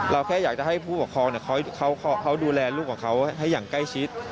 แค่อยากจะให้ผู้ปกครองเขาดูแลลูกกับเขาให้อย่างใกล้ชิด